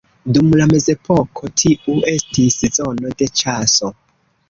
Dum la Mezepoko tiu estis zono de ĉaso.